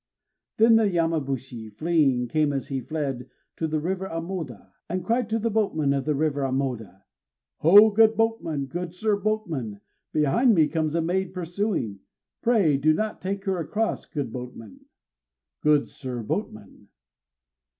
_ Then the Yamabushi, fleeing, came as he fled to the river of Amoda, and cried to the boatman of the river of Amoda, "O good boatman, good sir boatman, behind me comes a maid pursuing! pray do not take her across, good boatman, "_Good sir boatman!